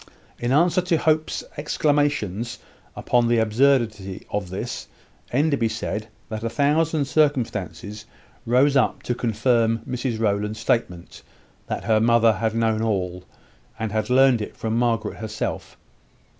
In answer to Hope's exclamations upon the absurdity of this, Enderby said, that a thousand circumstances rose up to confirm Mrs Rowland's statement that her mother had known all, and had learned it from Margaret herself.